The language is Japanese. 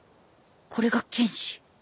これが剣士